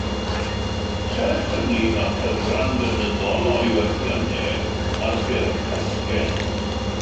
Serch hynny, mae cyfran gynyddol o'i werthiannau ar ffurf casgen.